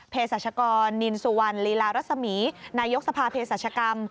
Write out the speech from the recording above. สัชกรนินสุวรรณลีลารัศมีนายกสภาเพศรัชกรรม